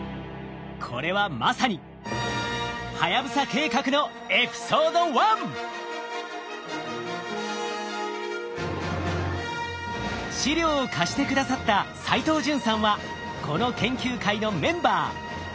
これはまさにはやぶさ計画の資料を貸して下さった齋藤潤さんはこの研究会のメンバー。